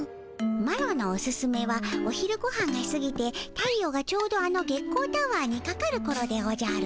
マロのおすすめはお昼ごはんがすぎて太陽がちょうどあの月光タワーにかかるころでおじゃる。